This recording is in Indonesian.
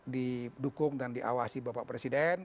didukung dan diawasi bapak presiden